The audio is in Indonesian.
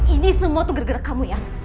ini semua tuh gara gara kamu ya